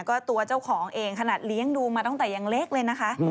ก็ตัวเจ้าของเองขนาดเลี้ยงดูมาตั้งแต่ยังเล็กเลยนะคะ